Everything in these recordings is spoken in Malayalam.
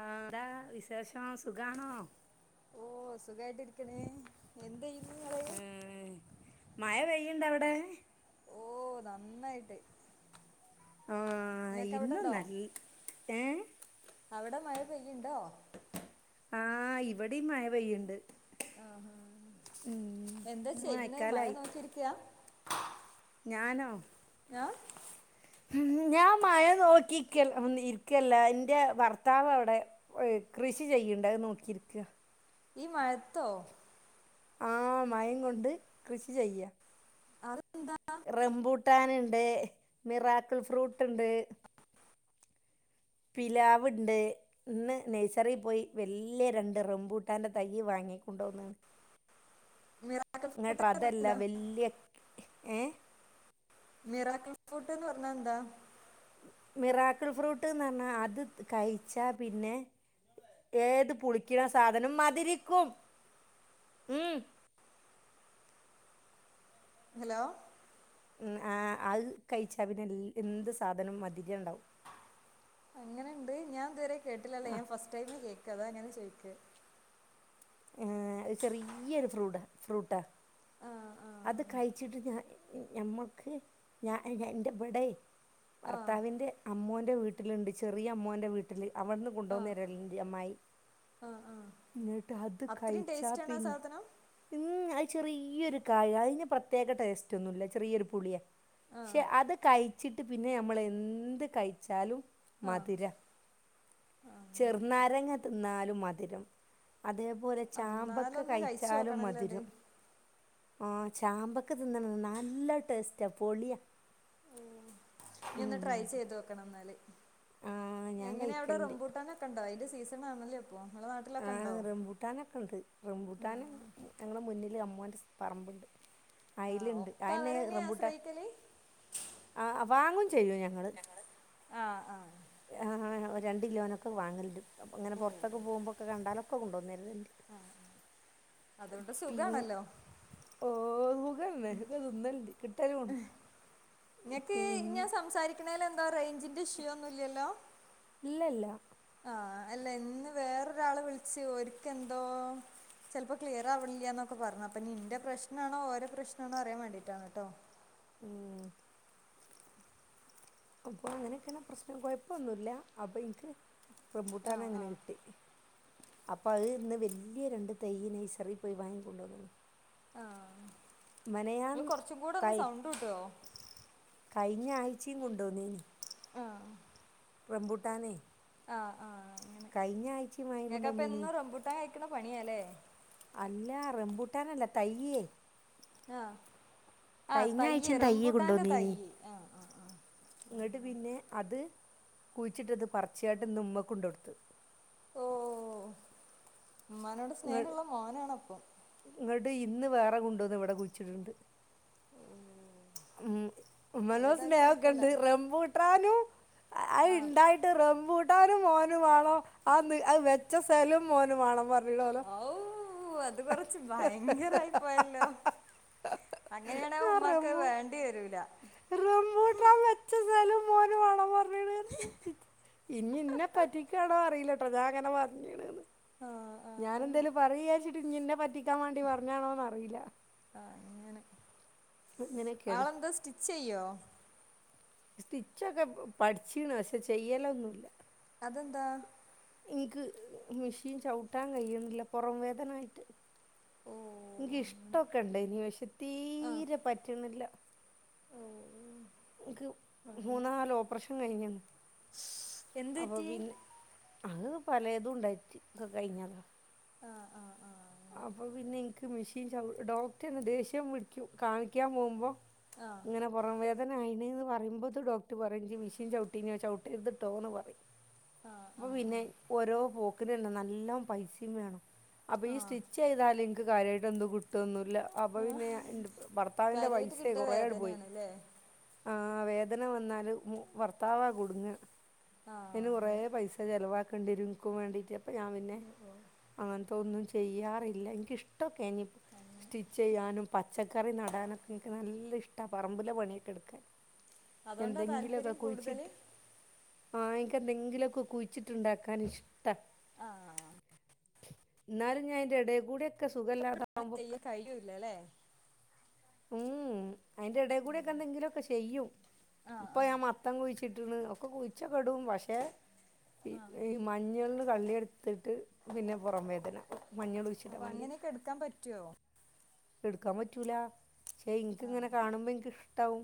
ആ എന്താ വിശേഷം സുഖാണോ സുഖായിട്ട് ഇരിക്കണേ എന്തയ്യ്ന്നുങ്ങള് ഏ മഴ പെയ്യുണ്ട അവിടെ ഓ നന്നായിട്ട് ആ ഇങ്ങക്ക് ഇന്നും അവിടെണ്ടോ ന ഏ അവിടെ മഴ പെയ്യ്ണ്ടോ ആ ഇവിടിം മഴ പെയ്യിണ്ട് ആഹഹ എന്താ ഇന്ന് ചെയ്യണേ മഴ മഴക്കാലായി നോക്കിയിരിക്കയാ ഞാനോ ഏ ഉ ഞാൻ മഴ നോക്കി ഇരിക്കല്ല എന്റെ ഭർത്താവ് അവിടെ കൃഷി ചെയ്യണ്ടത് നോക്കിയിരിക്ക ഈ മഴത്തോ ആ മയം കൊണ്ട് കൃഷി ചെയ്യ അത എന്ത റബൂട്ടാന ഇണ്ട് മിറാക്കിൾ ഫ്രൂട്ട് ഇണ്ട് പിലാവ്ണ്ട് ഇന്ന് നഴ്സറി പോയി വലിയ രണ്ട് റംബൂട്ടാന്റെ തയ്യ് വാങ്ങിക്കൊണ്ടോന്നാണ് മ ഇങ്ങട്ട അതല്ല വല്യയ ഏ മിറാക്ക ഫുഡ്ന്ന് പറഞ്ഞാ എന്താ മിറാക്കിൾ ഫ്രൂട്ട്ന്ന് പറഞ്ഞാ അത് കഴിച്ചാ പിന്നെ ഏത് പുളിക്കണ സാധനം മതിരിക്കും ഉം ഹലോ ഉ ആ ആൾ കഴിച്ച പിന്നെ എന്ത് സാധനം മധുരം ഉണ്ടാവും അങ്ങനെയുണ്ട് ഞാൻ ഇതുവരെ കേട്ടില്ലല്ലേ ഞാൻ ഫസ്റ്റ് ടൈമ് കേക്ക് അതാ എങ്ങനെ ചോയിക്ക് ആ ഒരു ചെറിയൊരു ഫ്രൂടാ ഫ്രൂട്ടാ ആഹ് അത് ആഹ് കഴിച്ചിട്ട് ഞാൻ ഞമ്മക്ക് ഞ എന്റെ വിടെ ആഹ് ഭർത്താവിന്റെ അമ്മോ ന്റെ വീട്ടിലുണ്ട് ചെറിയ അമ്മോന്റെ വീട്ടില് അവിടെന്ന് ആഹ് കൊണ്ട്വന്ന [unintelligible] അമ്മായി ആഹ് ആഹ് ത് അത് അത്രയും കഴിച്ചാ ടേസ്റ്റാണ് ആ സാധനം പിന്നെ ചെറിയൊരു കായ അതിന് പ്രത്യേക ടേസ്റ്റ് ഒന്നുംല്ല ചെറിയൊരു പുളിയാ ആഹ് ശെ അത് കഴി ച്ചിട്ട് പിന്നെ നമ്മൾ എന്ത് കഴിച്ചാലും ആഹ് മതിരാ അങ്ങനെ ചെറുനാരങ്ങ തിന്നാൽ ഓര് മധുരം അതേപോലെ ചാമ്പക്ക എന്നാലൊന്ന് കഴിച്ചു കഴിച്ചാലും നോക്കണല്ലോ അത് മധുരം ആഹ ചാമ്പക്ക തിന്നണത് നല്ല ടേസ്റ്റാ പൊളിയാ ന ഒന്ന് ട്രൈ ഉം. ചെയ്ത് വെക്കണം എന്നാല് ആ ഞാൻ എങ്ങനെയാ അവിടെ കഴിക്കലുണ്ട്. റംബൂട്ടനൊക്കെ ഉണ്ടാവ അതില് സീസൺ ആണല്ലേ ഇപ്പൊ നിങ്ങളെ ആ നാട്ടിലൊക്കെ ഉണ്ടോ റംബൂട്ടാനൊക്കെ ഉണ്ട് റംബൂട്ടാൻ ഞങ്ങടെ മുന്നില് അമ്മ മോൻറ പറമ്പുണ്ട് ആ അയ്ലുണ്ട് ഒക്കെ ആന്നെ അവരെന്നെ റംപുട്ടാൻ ആശ്രയിക്കല് ആ വാങ്ങും ചെയ്യും ഞങ്ങള് ആ ആ ആ രണ്ട് കിലോനൊക്കെ വാങ്ങലണ്ട്- അങ്ങനെ പുറത്തൊ പോകുമ്പോക്കെ കണ്ടാലൊ- പ്പ കൊണ്ടോന്നേ- അതുകൊണ്ട് പി സുഖാണല്ലോ ഓ ഓകും അന്നെ ഹഗതുന്നല്ലി [unintelligible] നിങ്ങക്ക് പിൻ ഞാൻ സംസാരിക്കണേല- എന്താ റേഞ്ചിന്റെ ഇഷ്യൂ ഒന്നുമില്ലല്ലോ- ഇല്ല ഇല്ല ആ അല്ല ഇന്ന് വേറൊരാള് വിളിച്ചു ഓരിക്ക് എന്തോ ചിലപ്പോ ക്ലിയർ ആവണില്ലന്നൊക്കെ പറഞ്ഞു അപ്പൊ ന്റെ പ്രശ്നാണോ ഓര പ്രശ്നാണോ അറിയാൻ വേണ്ടിട്ടാണ് കേട്ടോ- ഉം. അപ്പ അങ്ങനെയൊക്കെയാണ് പ്രശ്നം കുഴപ്പമൊന്നുമില്ല അപ്പൊ എനിക്ക്- ആ റംപൂട്ടാനങ്ങനെ ആ കിട്ടി- അപ്പൊ അത് ഇന്ന് വല്യ രണ്ട് തൈ നേഴ്സറിപ്പോയി വാങ്ങിക്കൊണ്ടുവന്ന്- ആ നി കൊറച്ചും കൂടെ ഒന്ന് കൈ സൗണ്ട് കൂട്ടുവോ- കഴിഞ്ഞ ആഴ്ചയും കൊണ്ടുവന്നേന് ആ- റംബുട്ടാന് ആ ആ കഴിഞ്ഞ ആഴ്ചയും വാങ്ങിക്ക കൊണ്ടുവന്നീനീ- എന പണിയാലേ- അല്ല റെമ്പൂട്ടാനല്ല തൈയ്യേ ആഹ് - കഴിഞ്ഞ ആഴ്ചയും തയ്യെ കൊണ്ടോന്നീനി ആഹ് ആഹ് ആഹ് ഇങ്ങോട്ട് പിന്നെ അത്- കുഴച്ചിട്ടത് പറച്ചിട്ട്ന്ന് ഉമ്മക്ക് കൊണ്ട കൊടുത്ത്- ഓ ഉമ്മാനോട് സ്നേഹള്ള മോനാണ അപ്പം- ഇങ്ങട്ട് ഇന്ന് വേറെ കൊണ്ടോന്ന് ഇവിടെ കുഴിച്ചിട്ടുണ്ട്- ഉം [unintelligible] ഉം ഉമ്മനോ സ്നേഹ ഒക്കെണ്ട് റമ്പൂട്ടാനും - അത് ആഹ് ഇണ്ടായിട്ട് റമ്പൂ ട്ടാനും മോന് വേണം ആ അത് വെച്ച സലും മോന വേണം പറ ഔ അത് കൊറച്ച് ഭയങ്കര അയിപോയല്ലോ അങ്ങനെയണ ഉമ്മാക്ക് വേണ്ട ണ്ടിവരൂല്ല റംബുട്ടാൻ വെച്ച സ്ഥലം- മോനു വേണമെന്ന് ഇനി എന്നെ പറ്റിക്കാണോ അറിയില്ല- പ്പം ഞാൻ അങ്ങനെ പറഞ്ണ് ന്ന് ആഹ് ഞാൻ എന്തേലും ആഹ് പറയുംന്ന് വിചാരിചി ഞ്ഞ്ന്നെ പറ്റി തെറ്റാൻ വേണ്ടി പറഞ്ഞാണോന്ന അറിയില്ല അങ്ങനെ അങ്ങനെയൊഒക്കെയാണ് ആളെന്താ സ്റ്റിച്ച് ചെയ്യോ സ്റ്റിച്ചൊക്കെ പഠിച്ചീണ് പക്ഷെ ചെയ്യലൊഒന്നുല്ല അതെന്താ എനിക്ക് മെഷീൻ ചവിട്ടാൻ കയ്യിണില്ല പുറം വേദനായിട്ട് ഓ എനക്ക് അങ്ങനെ ഇഷ്ടമൊക്കെ ഇണ്ടെനീ പക്ഷെ ആ തീരെ പറ്റണില്ല ഓ ന്ക്ക് മൂന്ന്, നാല് ഓപറേഷൻ കഴിഞ്ഞ് എന്ത്റ്റി അത് പലെതും ഉണ്ടായിറ്റ് ക്ക കയിഞ്ഞതാ ആ ആ ആ അങ്ങനെ അപ്പൊ പിന്നെ എക്ക് മെഷീൻ ചവി ഡോക്ട് ന്നെ ദേഷ്യം പിടിക്കും കാണിക്കാൻ പോമ്പോ ആ ഇങ്ങനെ പൊറംവേ ദന ആയിണ് ന്ന് പറയുംബോത്തിന് ഡോക്ടർ പറയും ജ്ജ് മെഷീൻ ചവിട്ടീനിയോ ചവിട്ടിരുതട്ടോ ന്ന് പറ ആ പ്പൊ ആ പിന്നെ ഓരോ പോ [unintelligible] നല്ലോം പൈസേം വേണം അപ്പോ ആ ഈ സ്റ്റി ൽ ൻക്ക് കാര്യയിട്ട് എന്ത്‌ കിട്ട്വെന്ന് ല്ല അപ്പ ആ പിന്നെ എന്റെ ഭർത്താവിന്റെ കാര്യായിട്ട് പൈസ കിട്ടിയ കുറേ ആട് പോയി വേദനയാണല്ലേ ആ വേദന വന്നാൽ മു ഭർത്താവാ കുട്ങ്ങാ ആ അയിന് കൊറെ അങ്ങനെ പൈസ ചിലവാ ആക്കണ്ടിരും നിക്ക് വേണ്ടിട്ട് പ്പം ഞാൻ പിന്നെ ഓ ഓ ആങ്ങ തോന്നും ചെയ്യാ പ്പയില്ല എനിക്കിഷ്ട്ടൊക്കെനി സ്റ്റിച്ചെയ്യാനും പച്ചക്കറി നടാനൊക്കെ ഇൻക്ക് നല്ല ഇഷ്‌ട പറമ്പിലെ പണിയൊക്കെട്ക്കാൻ അതോണ്ടാ താല്പര്യം കൂടുതല് ആ ഇൻക്ക് എന്തെങ്കിലൊക്കെ കുഴിച്ചിട്ട്ണ്ടാക്കാൻ ഇഷ്ട ആഹ് ന്നാലും ഞാൻ തിടേക്കൂടെക് ക്കെ സുഖല്ലാതാവുമ്പോക്ക് ചെയ്യാൻ കഴിയൂല്ലല്ലേ ഉം ഊ അയിന്റെ ടേ കൂടെക്കെന്തെങ്കിലൊക്കെ ചെയ്യു. ആ ഇപ്പൊ ഞാൻ മത്തൻ കുഴിച് ചിട്ട്ണ് ഒക്കെ കുഴിച് റ്റ കെടും പക്ഷെ ഈ മഞ്ഞൾന് കള്ളിയെടുത്തിട്ട് പിന്നെ പുറം വേദന മഞ്ഞളുയ്ച്ചിടാൻ അപ്പൊ വേണ്ടി അങ്ങനെയൊക്കെ എടുക്കാൻ പറ്റുവോ എടുക്കാൻ പറ്റൂല ശേ ഇൻക്ക് ഇങ്ങനെ കാണുമ്പോ ഇൻക്ക് ഇഷ്ടാവും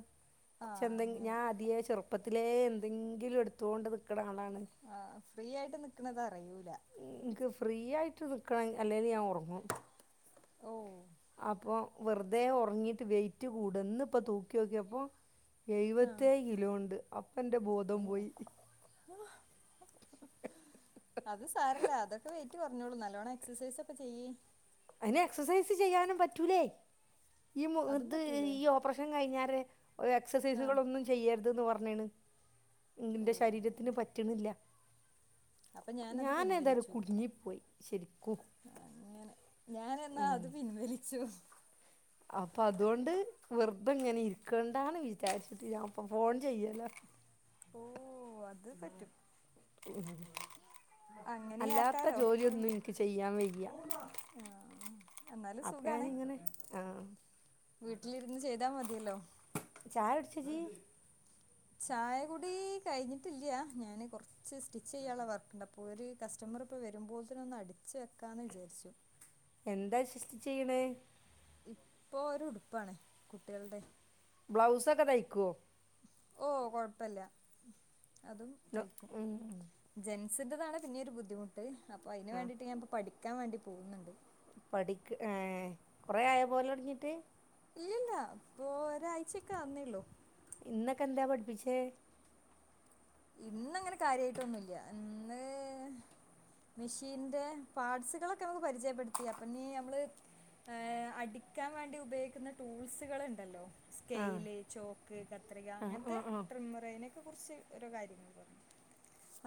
ആ ചെന്തെങ്ക് അങ്ങനെ ഞാൻ ആദ്യേ ചെറുപ്പത് ത്തിലേ എന്തെങ്കിലും എടുത്തോണ്ട്ന്ന് ആ ഫ്രീ ആയിട്ട് നിക്ണത അറിയൂല ക്ക് ഫ്രീ ആയിട്ട് നിക്കണെ അ ല്ലേല് ഞാ ഒറങ്ങും. ഓ അപ്പൊ വെറുതെ ഒറങ്ങിട്ട് വെയിറ്റ് കൂടു ഇന്നിപ്പൊ തൂക്കിയോക്കിപ്പോ ആ എഴുപത്തേഴ് കിലോണ്ട് അപ്പെന്റെ ബോധം പോയി അത് സാരല്ല അതൊക്കെ വെയിറ്റ് കൊറഞ്ഞോളും നല്ലോണം എക്സസൈസ് ഒക്കെ ചെയ്യ്. അയിന് എക്സസൈസ് ചെയ്യാനും പറ്റൂലേ? ഈ അതും ഇത് പറ്റൂലേ ഈ ഓപ്പറേഷൻ കഴിഞ്ഞാരെ എക്സസൈസുകൾ ആഹ് ഒന്നും ചെയ്യരു രുതന്ന് പറഞ്ഞാണ്. ഓ ന്റെ ശരീരത്തിന് പറ്റ്ണില്ല. അപ്പൊ ഞാനത് ഞാനേതായാലും പിൻവലിച്ചു കുടുങ്ങി പോയി ശരിക്കും. ഞാൻ എന്നാ അത് പിൻവലി ച്ചു. അപ്പൊ അതുകൊണ്ട് വെർതെങ്ങനെ ഇരിക്കണ്ടാന്ന് വിചാരിച്ചിട്ട് ഞാൻ ഇപ്പോ ഫോൺ ചെയ്യലാ. ഓ അത് പറ്റും. ഉം. അങ്ങനെ അല്ലാത്ത ആക്കാലോ ജോലിയൊന്നും എനിക്ക് ചെയ്യാൻ വയ്യ ആഹ് എന്നാലും അപ്പം സുഖാണ്. ഞാനിങ്ങനെ ആ വീട്ടിലിരുന്ന് ചെയ്താ മതിയല്ലോ? ചായ കുടിച്ചോ ഇജ്ജ്? ചായ കുടി കഴിഞ്ഞിട്ടില്ല ഞാന് കൊർച്ച് സ്റ്റിച്ച് ചെയ്യാനുള്ള വർക്ക്ണ്ട് അപ്പൊ ഒരു കസ്റ്റമർ ഇപ്പോ വരുമ്പൊത്തേന് ഒന്ന് അടിച്ച് വെക്കാന്ന് വിചാരിച്ചു. എന്താ സ്റ്റിച്ച് ചെയ്യണേ? ഇപ്പൊ ഒരു ഉടുപ്പാണ് കുട്ടികൾടെ. ബ്ലൗസൊക്കെ തയിക്കോ? ഓ കൊഴപ്പില്ല. അതും നോ തയ്ക്കും ഉം. ജൻ സിന്റതാണ് പിന്നൊരു ബുദ്ധിമുട്ട്. അപ്പോൾ അയ്ന് വേണ്ടീട്ട് ഞാൻ ഇപ്പ പഠിക്ക- ക്കാൻ വേണ്ടി പോകുന്നുണ്ട്. പഠിക്ക് ഏഹ് കൊറെ ആയ പോവലൊടങ്ങീട്ട്? ഇല്ലല്ല ഇപ്പൊ ഒരാഴ്ചക്കെ ആവുന്നേള്ളു. ഇന്നൊക്കെ എന്താ പഠിപ്പിച്ചേ? ഇന്ന് അങ്ങനെ കാര്യമായിട്ടൊന്നുമില്ല ഇന്ന് മെഷീനിന്റെ പാർട്സുകളൊക്കെ നമുക്ക് പരിചയപ്പെടുത്തി അപ്പൊ ഇനീ ഞമ്മള് ആ അടിക്കാൻ വേണ്ടി ഉപയോഗിക്കുന്ന ടൂൾസുകൾ ഉണ്ടല്ലോ ആ സ്കെയില് ചോക്ക് കത്രിക ആ ആ അങ്ങനത്തെ ആ ട്രിമ്മറിനെ കുറച്ച് ഓരോ കാര്യങ്ങൾ പറഞ്ഞ്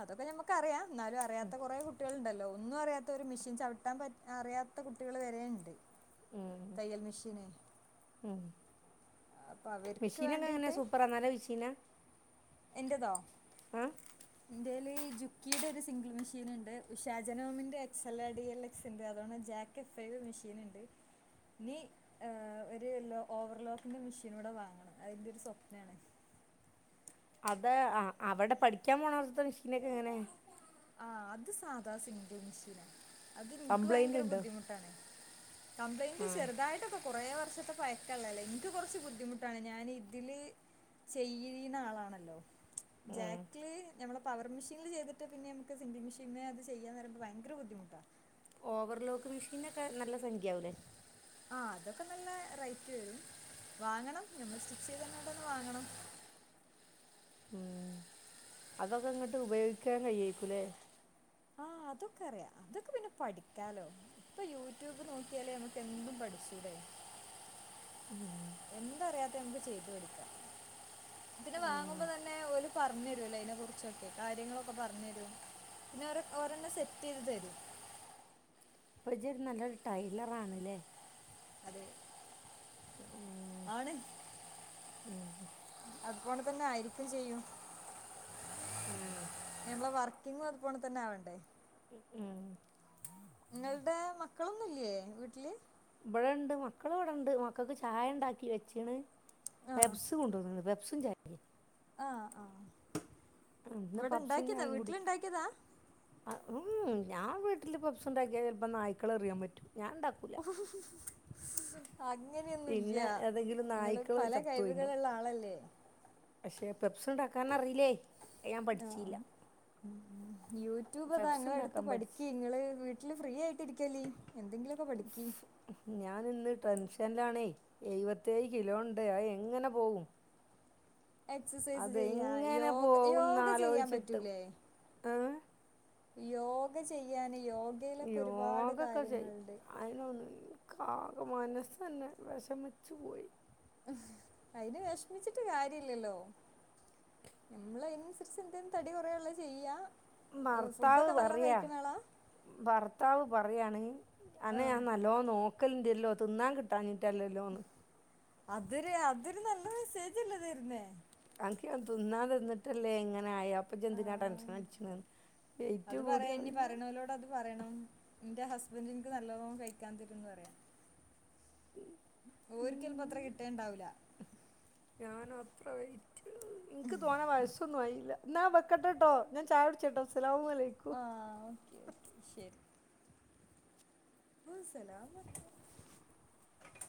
അതൊക്കെ ഞമ്മക്കറിയാം എന്നാലും അറിയത്ത കുറെ കുട്ടികൾ ഉണ്ടല്ലോ ഒന്നും അറിയാത്തവര് മെഷീൻ ചവിട്ടാൻ പറ്റ് അറിയാത്ത കുട്ടികള് വരെയ്ണ്ട് ഉം, തയ്യൽ മെഷീന് അപ്പം അവർക്ക് മെഷീന് എങ്ങനെ സൂപ്പറാ നല്ല മെഷീനാ എന്റെതോ ആ എൻ്റെല് ജുക്കീടെ ഒരു സിംഗിൾ മെഷീനുണ്ട് ഉഷാജനോമിന്റെ X L R D L X ഉണ്ട് അതുപോലെ ജാക്ക് എഫ് ഫൈവ് മെഷീൻ ഉണ്ട് ഇനി ഒരു എല്ലോ ഓവർലോക്കിന്റെ മെഷീനൂടെ വാങ്ങണം അത് എൻ്റൊരു സ്വപ്നാണ് അതെ ആ അവിടെ പഠിക്കാൻ പോണെടത്ത് മെഷീനൊക്കെ എങ്ങനെ ആഹ അത് സാധാ സിംഗിൾ മെഷീനാ അത് എനിക്ക് കംപ്ലൈൻ്റ് ഭയങ്കര ഉണ്ടോ ബുദ്ധിമുട്ടാണ് കംപ്ലയിൻ്റ് ആ ചെറുതായിട്ടൊക്കെ കുറെ വർഷത്തെ പയകൊള്ളതല്ലേ എനിക്ക് കുറച്ച് ബുദ്ധിമുട്ടാണ് ഞാൻ ഇതില് ചെയ്യീന്ന ആളാണല്ലോ ഉം. ജാക്ക്ലി ഞമ്മള് പവർ മെഷീനില് ചെയ്തിട്ട് പിന്നേം [inaudible] [inaudible] [inaudible] [inaudible] ആ അതൊക്കെ അറിയാം അതൊക്കെ പിന്നെ പഠിക്കാമല്ലോ ഇപ്പോൾ യൂട്യൂബ് നോക്കിയാല് നമുക്ക് എന്തും പഠിച്ചുടെ [inaudible] എന്തറിയാത്തെ എന്തും ചെയ്തു തരും ആഹ് [inaudible] [inaudible] [unintelligible] [inaudible] അതെ ഉം [inaudible] ഉം [inaudible] [inaudible] [inaudible] ഉം ഇന്നും അതുപോലതന്നാവണ്ടേ ഉം [inaudible] [inaudible] പെപ്സ് ആ [unintelligible] [inaudible] [inaudible] [unintelligible] [inaudible] ഇവിടെ ഉണ്ടാക്കിയതാ വീട്ടിലുണ്ടാക്കിയതാ ഞാൻ വീട്ടിൽ പപ്സ് ഉണ്ടാക്കിയാ ചിലപ്പം നായക്കളെറിയാൻ പറ്റും ഞാൻ ഇണ്ടാക്കൂല പിന്നെ അങ്ങനെയൊന്നുല്ല്യാ ഏതെങ്കിലും നിങ്ങള് നായ്ക്കള് പല ചത്തോയിണ്ടാവും കഴിവുകളുള്ള ആളല്ലേ? പപ്സ് ഉണ്ടാക്കാൻ അറിയില്ലേ? അത് ഞാൻ ആഹ് പഠിച്ചീല്ല യൂട്യൂബിതാ പെപ്സ് ഇങ്ങള് എടുത്ത് ഇണ്ടാക്കാൻ പഠിച്ച് പഠിക്ക് ഇങ്ങള് വീട്ടില് ഫ്രീ ആയി ഇരിക്കല്. എന്തെങ്കിലുമൊക്കെ പഠിക്കി. ഞാനിന്ന് ടെൻഷനിലാണേ എഴുപത്തയേഴ് കിലോ ഉണ്ട് അയ് എങ്ങനെ പോകും? എക്സസൈസ് ചെയ്യാ യോഗ യോഗ ചെയ്യാൻ പോകുന്നാലോചിച്ചിട്ട് പറ്റൂലേ? ഏ യോഗ ചെയ്യാന് യോഗയിലൊക്കെ ഒരുപാട് യോഗൊക്കെ ചെയ്ത് കാര്യങ്ങളുണ്ട് അയിനൊന്നും ക്കാകെ മനസന്നെ വിഷമിച്ചു പോയി അയ്ന് വിഷമിച്ചിട്ട് കാര്യ ഇല്ലല്ലോ നമ്മള് അയ്നനുസരിച്ച് എന്തേലും തടി കുറയാനൊള്ള ചെയ്യാ ബർത്താവ് ഫുഡൊക്കെ നല്ലോം പറയാ കഴിക്കണ ആളാ ബർത്താവ് പറ പറയാണെങ്ങി അനെ ആഹ് ഞാൻ നല്ലോ നോക്കല് തില്ലോ തിന്നാൻ കിട്ടാഞ്ഞ് ടെല്ലിലോന്ന് അതിര് അതിരൊ നല്ല മസേജല്ലെ തരുന്നേ അനക്ക് ഞാൻ തിന്നാ തിന്നിട്ടല്ലേ ഇങ്ങനെ ആയാ അപ് പ്പ ചെന്തിനാ ആഹ് അത് പറയാ ഇനി ഹസ്ബൻന്റിക്ക് എനിക്ക് നല്ലോണം കഴിക്കാൻ തരന്ന് പറയാം ഓരിക്കെൽപ്പ അത്ര ഉം കിട്ടേണ്ടാവില്ല [unintelligible] ഇൻക്ക് തോനെ വയസ്സൊന്നും ആയില്ല എന്നാ വെക്കട്ടെട്ടോ ഞാൻ ചായടിച്ചിട്ടോ അസ്സലാമു അലൈക് ആ ഓക്കെ ഓക്കെ ശരി മസല [unintelligible]